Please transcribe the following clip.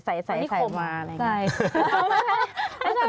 ไอ้นี่ข่มวาอะไรอย่างนี้